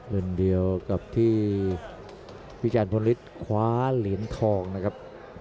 รุ่นเดียวกับที่พี่จันพลฤทธิ์คว้าเหรียญทองนะครับ